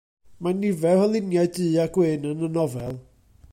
Mae nifer o luniau du a gwyn yn y nofel.